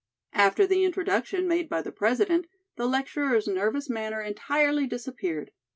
After the introduction made by the President, the lecturer's nervous manner entirely disappeared.